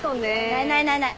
ないないないない。